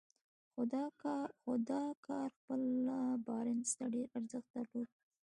خو دا کار خپله بارنس ته ډېر ارزښت درلود.